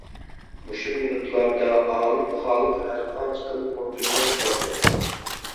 مۇشۇ مىنۇتلاردا ئالىم خالىق ھەر قانچە قىلىپمۇ ئۆزىنى تۇتالمىدى.